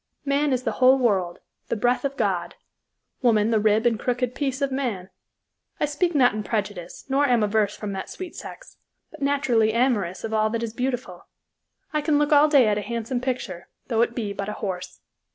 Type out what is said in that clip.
Man is the whole world the breath of God; woman the rib and crooked piece of man. I speak not in prejudice nor am averse from that sweet sex, but naturally amorous of all that is beautiful. I can look all day at a handsome picture, though it be but a horse."